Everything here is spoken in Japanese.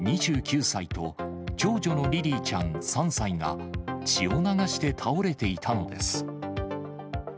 ２９歳と、長女のリリィちゃん３歳が、血を流して倒れていたのです。